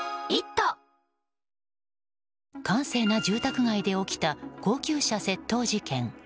閑静な住宅街で起きた高級車窃盗事件。